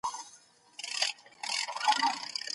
استازي ولي د سولي تړونونه لاسلیک کوي؟